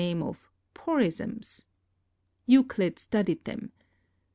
name of Porisms. Euclid studied them.